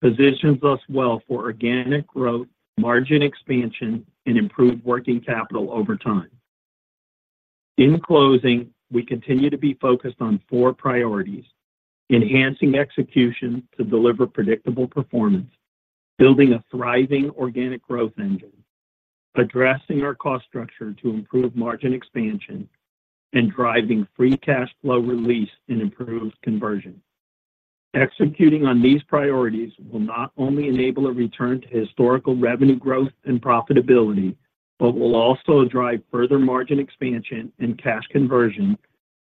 positions us well for organic growth, margin expansion, and improved working capital over time. In closing, we continue to be focused on four priorities: enhancing execution to deliver predictable performance, building a thriving organic growth engine, addressing our cost structure to improve margin expansion, and driving free cash flow release and improved conversion. Executing on these priorities will not only enable a return to historical revenue growth and profitability, but will also drive further margin expansion and cash conversion,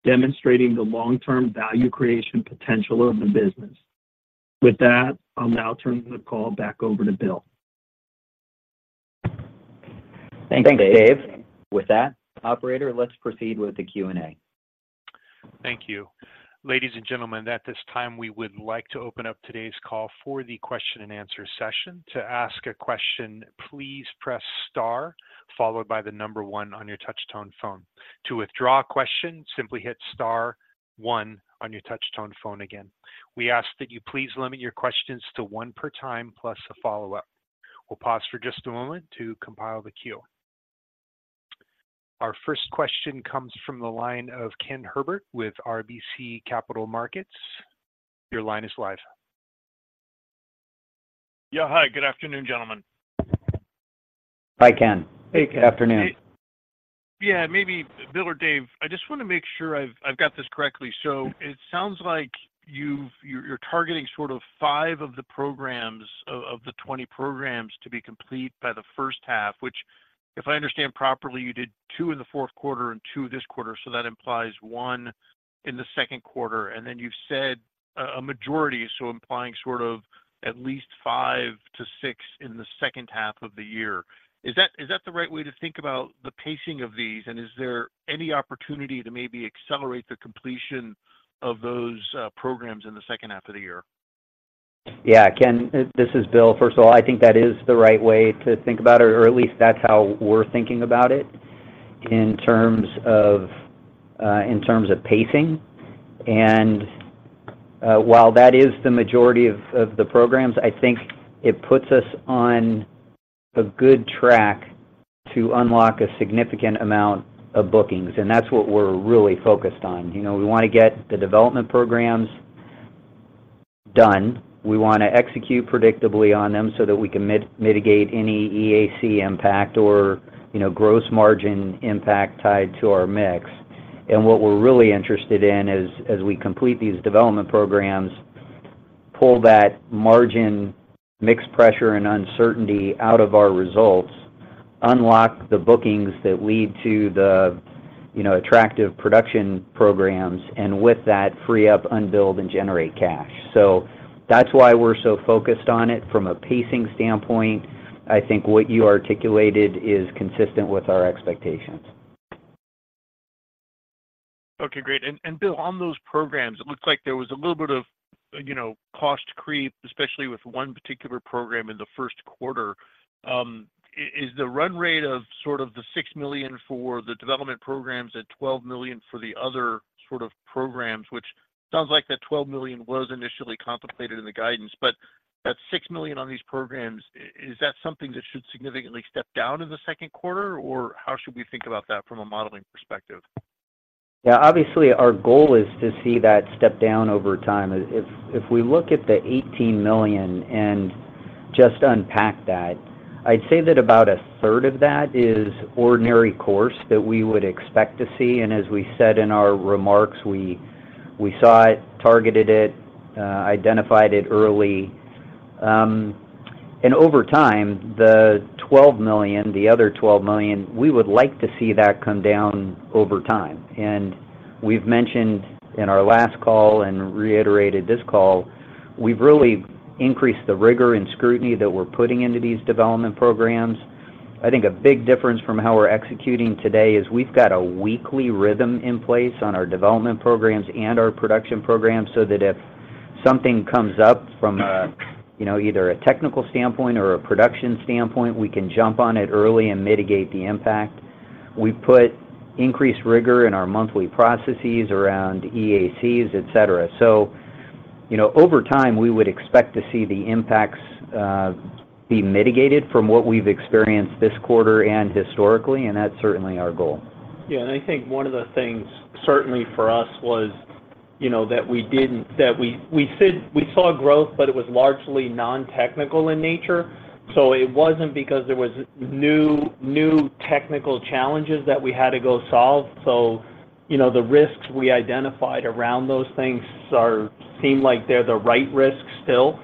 demonstrating the long-term value creation potential of the business. With that, I'll now turn the call back over to Bill. Thanks, Dave. With that, operator, let's proceed with the Q&A. Thank you. Ladies and gentlemen, at this time, we would like to open up today's call for the question-and-answer session. To ask a question, please press star followed by the number one on your touch-tone phone. To withdraw a question, simply hit star one on your touch-tone phone again. We ask that you please limit your questions to one per time, plus a follow-up. We'll pause for just a moment to compile the queue. Our first question comes from the line of Ken Herbert with RBC Capital Markets. Your line is live. Yeah. Hi, good afternoon, gentlemen. Hi, Ken. Hey, Ken. Afternoon. Yeah, maybe Bill or Dave, I just want to make sure I've got this correctly. So it sounds like you're targeting sort of 5 of the programs, of the 20 programs to be complete by the H1, which, if I understand properly, you did two in the Q4 and two this quarter, so that implies one in the Q2. And then you've said a majority, so implying sort of at least five to six in the H2 of the year. Is that the right way to think about the pacing of these? And is there any opportunity to maybe accelerate the completion of those programs in the H2 of the year? Yeah, Ken, this is Bill. First of all, I think that is the right way to think about it, or at least that's how we're thinking about it in terms of pacing. And while that is the majority of the programs, I think it puts us on a good track to unlock a significant amount of bookings, and that's what we're really focused on. You know, we wanna get the development programs done. We wanna execute predictably on them so that we can mitigate any EAC impact or, you know, gross margin impact tied to our mix. And what we're really interested in is, as we complete these development programs, pull that margin, mix pressure, and uncertainty out of our results, unlock the bookings that lead to the, you know, attractive production programs, and with that, free up unbilled and generate cash. So that's why we're so focused on it from a pacing standpoint. I think what you articulated is consistent with our expectations. Okay, great. And Bill, on those programs, it looks like there was a little bit of, you know, cost creep, especially with one particular program in the Q1. Is the run rate of sort of the $6 million for the development programs and $12 million for the other sort of programs, which sounds like that $12 million was initially contemplated in the guidance, but that $6 million on these programs, is that something that should significantly step down in the Q2, or how should we think about that from a modeling perspective? Yeah, obviously, our goal is to see that step down over time. If we look at the $18 million and just unpack that, I'd say that about a third of that is ordinary course that we would expect to see. And as we said in our remarks, we, we saw it, targeted it, identified it early. And over time, the $12 million, the other $12 million, we would like to see that come down over time. And we've mentioned in our last call and reiterated this call, we've really increased the rigor and scrutiny that we're putting into these development programs. I think a big difference from how we're executing today is we've got a weekly rhythm in place on our development programs and our production programs, so that if something comes up from a, you know, either a technical standpoint or a production standpoint, we can jump on it early and mitigate the impact. We've put increased rigor in our monthly processes around EACs, et cetera. So, you know, over time, we would expect to see the impacts be mitigated from what we've experienced this quarter and historically, and that's certainly our goal. Yeah, and I think one of the things, certainly for us, was, you know, that we said we saw growth, but it was largely non-technical in nature. So it wasn't because there was new technical challenges that we had to go solve. So, you know, the risks we identified around those things seem like they're the right risks still,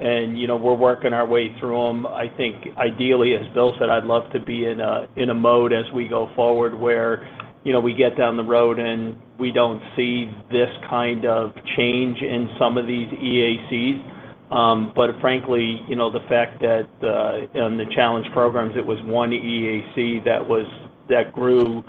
and, you know, we're working our way through them. I think ideally, as Bill said, I'd love to be in a mode as we go forward, where, you know, we get down the road and we don't see this kind of change in some of these EACs. But frankly, you know, the fact that on the Challenge programs, it was one EAC that grew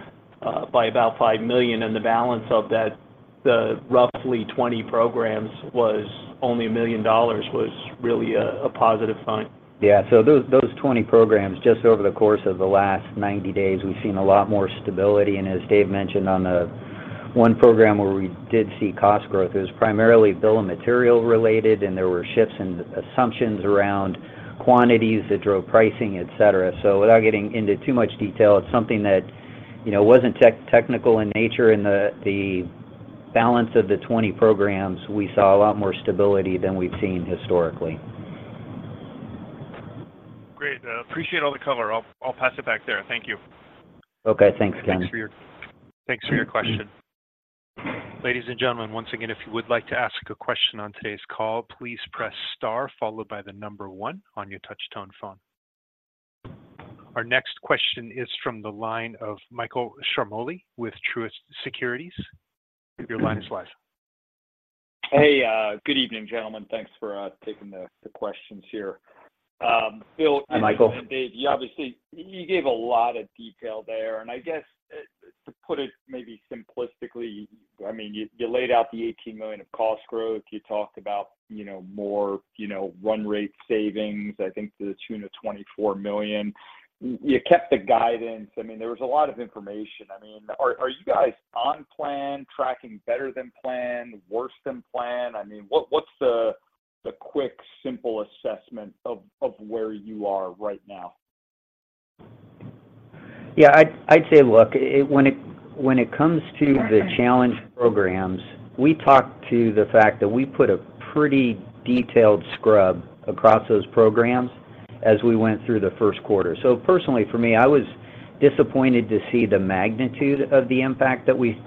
by about $5 million, and the balance of that, the roughly 20 programs, was only $1 million, was really a positive sign. Yeah, so those 20 programs, just over the course of the last 90 days, we've seen a lot more stability. And as Dave mentioned on the one program where we did see cost growth, it was primarily bill of material related, and there were shifts in assumptions around quantities that drove pricing, et cetera. So without getting into too much detail, it's something that, you know, wasn't technical in nature. In the balance of the 20 programs, we saw a lot more stability than we've seen historically. Great. Appreciate all the color. I'll pass it back there. Thank you. Okay, thanks, Ken. Thanks for your question. Ladies and gentlemen, once again, if you would like to ask a question on today's call, please press star followed by the number one on your touch tone phone. Our next question is from the line of Michael Ciarmoli with Truist Securities. Your line is live. Hey, good evening, gentlemen. Thanks for taking the questions here. Bill- Hi, Michael. And Dave, you obviously, you gave a lot of detail there, and I guess, to put it maybe simplistically, I mean, you, you laid out the $18 million of cost growth. You talked about, you know, more, you know, run rate savings, I think to the tune of $24 million. You kept the guidance. I mean, there was a lot of information. I mean, are you guys on plan, tracking better than plan, worse than plan? I mean, what's the quick, simple assessment of where you are right now? Yeah, I'd say, look, it. When it comes to the Challenge programs, we talked to the fact that we put a pretty detailed scrub across those programs as we went through the Q1. So personally, for me, I was disappointed to see the magnitude of the impact that we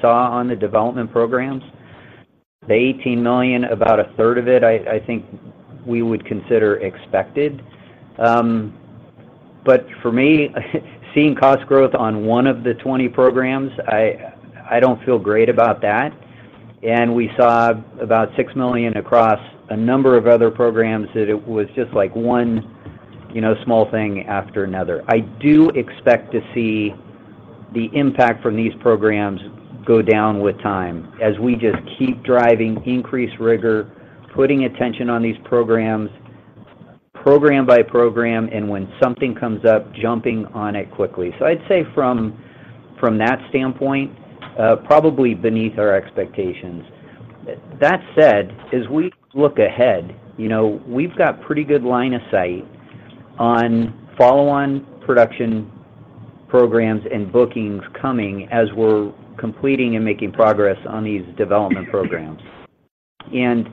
saw on the development programs. The $18 million, about a third of it, I think we would consider expected. But for me, seeing cost growth on one of the 20 programs, I don't feel great about that. And we saw about $6 million across a number of other programs that it was just like one, you know, small thing after another. I do expect to see the impact from these programs go down with time as we just keep driving increased rigor, putting attention on these programs. program by program, and when something comes up, jumping on it quickly. So I'd say from that standpoint, probably beneath our expectations. That said, as we look ahead, you know, we've got pretty good line of sight on follow-on production programs and bookings coming as we're completing and making progress on these development programs. And,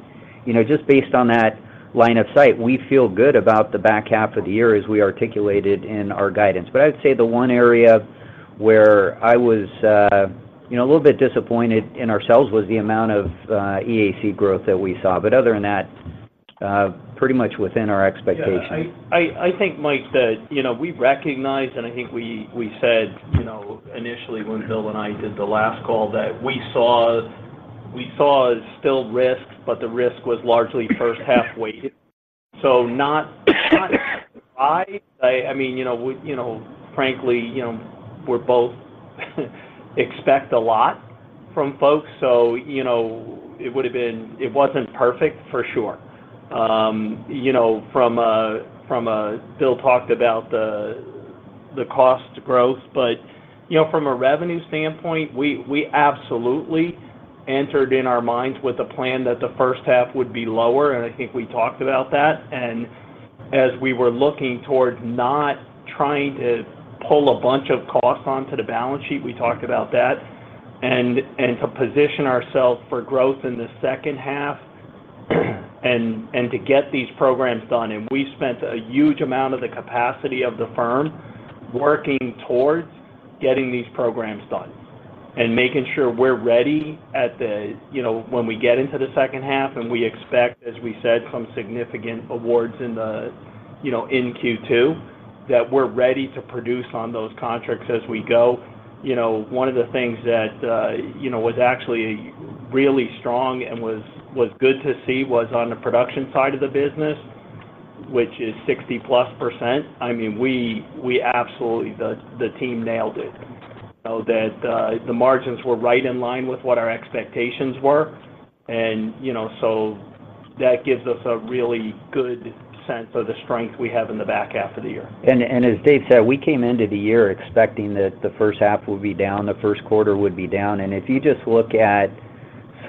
you know, just based on that line of sight, we feel good about the back half of the year as we articulated in our guidance. But I'd say the one area where I was, you know, a little bit disappointed in ourselves was the amount of EAC growth that we saw, but other than that, pretty much within our expectations. Yeah, I think, Mike, that, you know, we recognize, and I think we said, you know, initially when Bill and I did the last call, that we saw still risks, but the risk was largely H1 weighted. So not - I mean, you know, we - you know, frankly, you know, we're both - expect a lot from folks, so, you know, it would have been... It wasn't perfect, for sure. You know, from a - from a - Bill talked about the - the cost growth, but, you know, from a revenue standpoint, we absolutely entered in our minds with a plan that the H1 would be lower, and I think we talked about that. And as we were looking towards not trying to pull a bunch of costs onto the balance sheet, we talked about that, and to position ourselves for growth in the H2, and to get these programs done. And we spent a huge amount of the capacity of the firm working towards getting these programs done and making sure we're ready at the, you know, when we get into the H2, and we expect, as we said, some significant awards in the, you know, in Q2, that we're ready to produce on those contracts as we go. You know, one of the things that, you know, was actually really strong and was good to see was on the production side of the business, which is 60%+. I mean, we absolutely, the team nailed it. So that the margins were right in line with what our expectations were, and, you know, so that gives us a really good sense of the strength we have in the back half of the year. And as Dave said, we came into the year expecting that the H1 would be down, the Q1 would be down. And if you just look at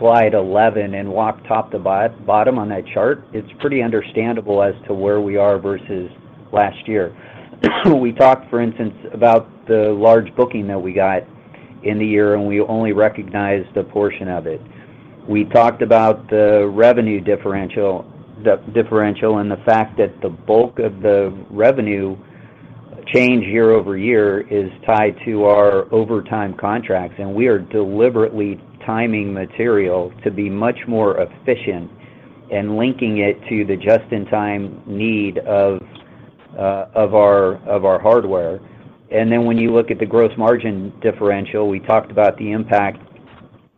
slide 11 and walk top to bottom on that chart, it's pretty understandable as to where we are versus last year. We talked, for instance, about the large booking that we got in the year, and we only recognized a portion of it. We talked about the revenue differential, the differential, and the fact that the bulk of the revenue change year-over-year is tied to our over-time contracts, and we are deliberately timing material to be much more efficient and linking it to the just-in-time need of our hardware. And then when you look at the gross margin differential, we talked about the impact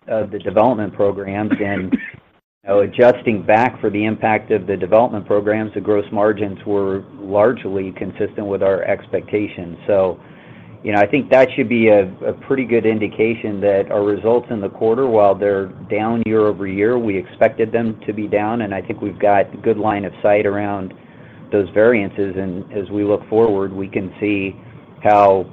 of the development programs. Adjusting back for the impact of the development programs, the gross margins were largely consistent with our expectations. You know, I think that should be a pretty good indication that our results in the quarter, while they're down year-over-year, we expected them to be down, and I think we've got good line of sight around those variances. As we look forward, we can see how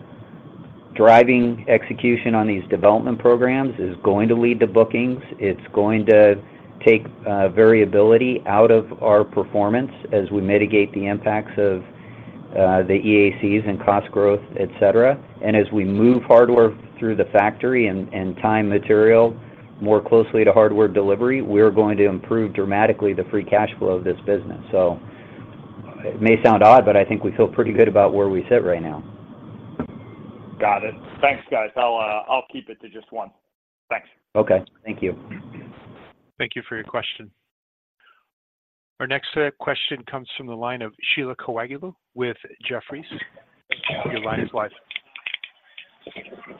driving execution on these development programs is going to lead to bookings. It's going to take variability out of our performance as we mitigate the impacts of the EACs and cost growth, et cetera. As we move hardware through the factory and time material more closely to hardware delivery, we're going to improve dramatically the free cash flow of this business. It may sound odd, but I think we feel pretty good about where we sit right now. Got it. Thanks, guys. I'll keep it to just one. Thanks. Okay. Thank you. Thank you for your question. Our next question comes from the line of Sheila Kahyaoglu with Jefferies. Your line is live.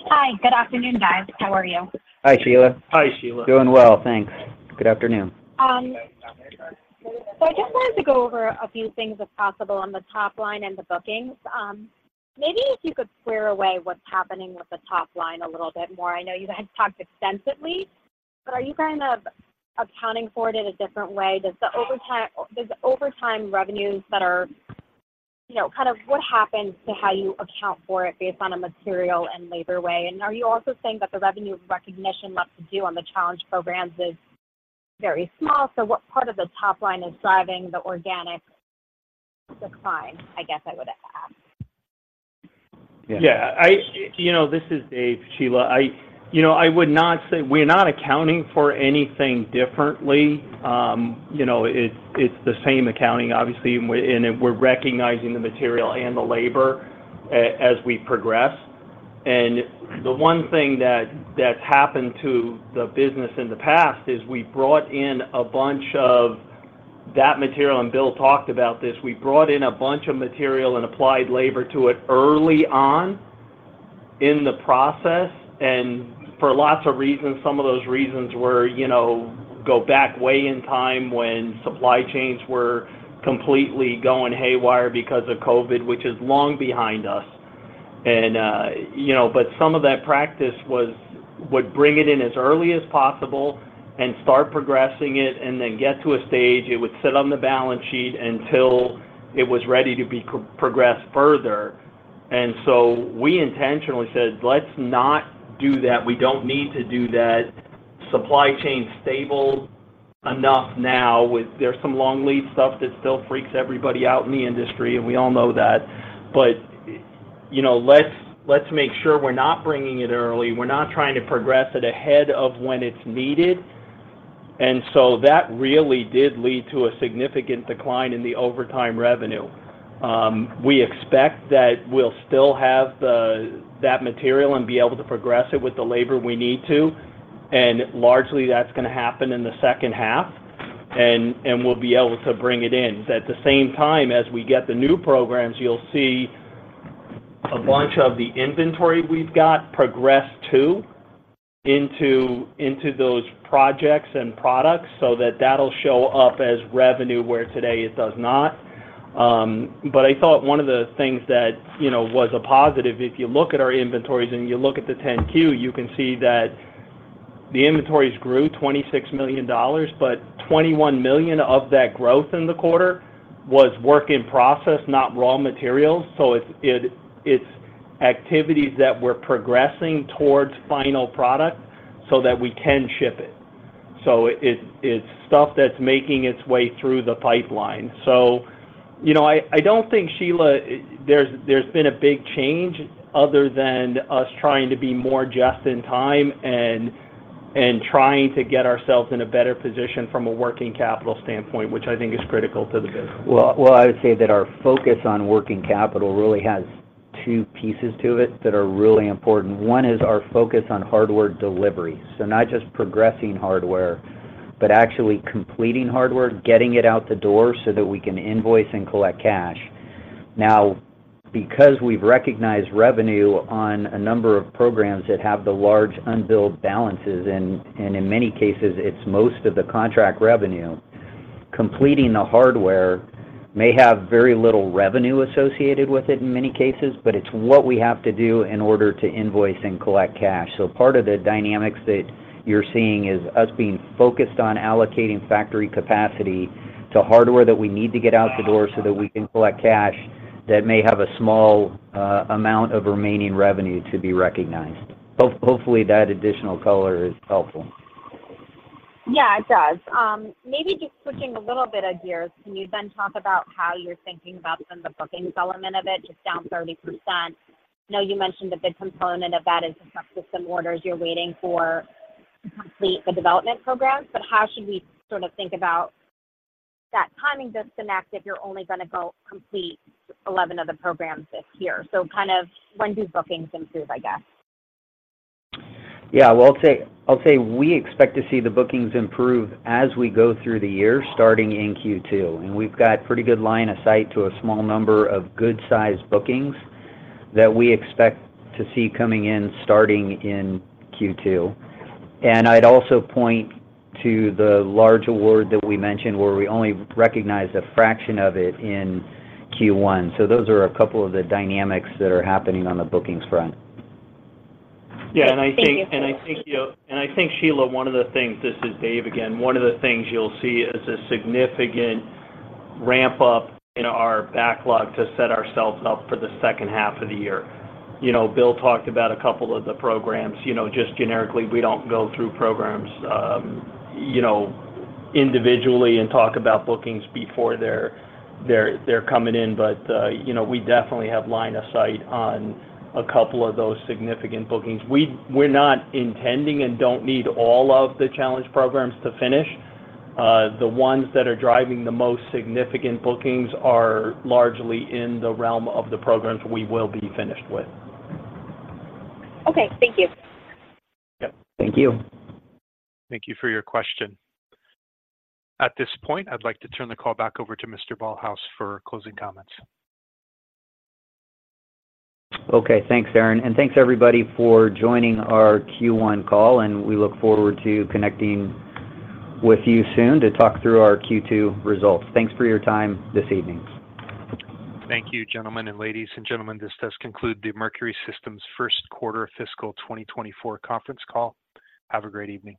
Hi. Good afternoon, guys. How are you? Hi, Sheila. Hi, Sheila. Doing well, thanks. Good afternoon. So I just wanted to go over a few things, if possible, on the top line and the bookings. Maybe if you could square away what's happening with the top line a little bit more. I know you guys talked extensively, but are you kind of accounting for it in a different way? Does the overtime - there's overtime revenues that are... you know, kind of what happens to how you account for it based on a material and labor way? And are you also saying that the revenue recognition left to do on the challenge programs is very small, so what part of the top line is driving the organic decline? I guess I would ask. Yeah, you know, this is Dave, Sheila. You know, I would not say we're not accounting for anything differently. You know, it's the same accounting, obviously, and we're recognizing the material and the labor as we progress. The one thing that's happened to the business in the past is we brought in a bunch of that material, and Bill talked about this. We brought in a bunch of material and applied labor to it early on in the process, and for lots of reasons. Some of those reasons were, you know, go back way in time when supply chains were completely going haywire because of COVID, which is long behind us.... You know, but some of that practice would bring it in as early as possible and start progressing it, and then get to a stage, it would sit on the balance sheet until it was ready to be progressed further. And so we intentionally said, "Let's not do that. We don't need to do that. Supply chain's stable enough now with." There's some long lead stuff that still freaks everybody out in the industry, and we all know that. "But, you know, let's make sure we're not bringing it early, we're not trying to progress it ahead of when it's needed." And so that really did lead to a significant decline in the overtime revenue. We expect that we'll still have the, that material and be able to progress it with the labor we need to, and largely, that's gonna happen in the H2. And we'll be able to bring it in. At the same time, as we get the new programs, you'll see a bunch of the inventory we've got progress too, into, into those projects and products, so that that'll show up as revenue, where today it does not. But I thought one of the things that, you know, was a positive, if you look at our inventories and you look at the 10-Q, you can see that the inventories grew $26 million, but $21 million of that growth in the quarter was work in process, not raw materials. So it, it's activities that we're progressing towards final product so that we can ship it. So it's stuff that's making its way through the pipeline. So, you know, I don't think, Sheila, there's been a big change other than us trying to be more just in time and trying to get ourselves in a better position from a working capital standpoint, which I think is critical to the business. Well, well, I would say that our focus on working capital really has two pieces to it that are really important. One is our focus on hardware delivery. So not just progressing hardware, but actually completing hardware, getting it out the door so that we can invoice and collect cash. Now, because we've recognized revenue on a number of programs that have the large unbilled balances, and in many cases, it's most of the contract revenue, completing the hardware may have very little revenue associated with it in many cases, but it's what we have to do in order to invoice and collect cash. So part of the dynamics that you're seeing is us being focused on allocating factory capacity to hardware that we need to get out the door so that we can collect cash, that may have a small amount of remaining revenue to be recognized. Hopefully, that additional color is helpful. Yeah, it does. Maybe just switching a little bit of gears, can you then talk about how you're thinking about then the bookings element of it, just down 30%? I know you mentioned a big component of that is the system orders you're waiting for to complete the development programs, but how should we sort of think about that timing just in active, you're only gonna go complete 11 of the programs this year. So kind of when do bookings improve, I guess? Yeah. Well, I'll say, I'll say we expect to see the bookings improve as we go through the year, starting in Q2. And we've got pretty good line of sight to a small number of good-sized bookings that we expect to see coming in, starting in Q2. And I'd also point to the large award that we mentioned, where we only recognized a fraction of it in Q1. So those are a couple of the dynamics that are happening on the bookings front. Thank you. Yeah, and I think, you know, Sheila, one of the things... This is Dave again. One of the things you'll see is a significant ramp up in our backlog to set ourselves up for the H2 of the year. You know, Bill talked about a couple of the programs, you know, just generically, we don't go through programs, you know, individually and talk about bookings before they're coming in. But, you know, we definitely have line of sight on a couple of those significant bookings. We're not intending and don't need all of the challenge programs to finish. The ones that are driving the most significant bookings are largely in the realm of the programs we will be finished with. Okay, thank you. Yep, thank you. Thank you for your question. At this point, I'd like to turn the call back over to Mr. Ballhaus for closing comments. Okay, thanks, Aaron, and thanks, everybody, for joining our Q1 call, and we look forward to connecting with you soon to talk through our Q2 results. Thanks for your time this evening. Thank you, gentlemen. Ladies and gentlemen, this does conclude the Mercury Systems Q1 fiscal 2024 conference call. Have a great evening.